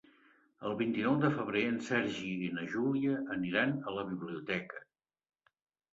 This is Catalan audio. El vint-i-nou de febrer en Sergi i na Júlia aniran a la biblioteca.